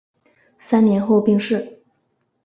三年后病逝。